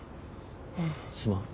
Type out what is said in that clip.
すまん。